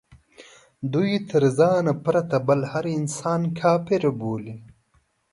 دوی تر ځان پرته بل هر انسان کافر بولي.